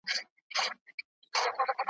زمري ولیدی مېلمه چي غوښي نه خوري ,